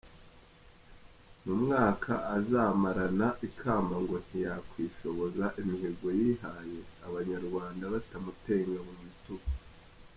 Mu mwaka azamarana ikamba ngo ntiyakwishoboza imihigo yihaye Abanyarwanda batamuteye ingabo mu bitugu.